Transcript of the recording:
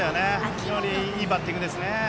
非常にいいバッティングですね。